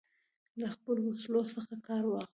له خپلو وسلو څخه کار واخلي.